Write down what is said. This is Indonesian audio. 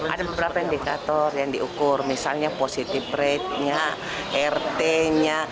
ada beberapa indikator yang diukur misalnya positivity rate nya rt nya